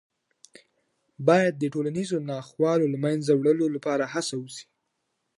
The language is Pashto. باید د ټولنیزو ناخوالو د له منځه وړلو لپاره هڅه وسي.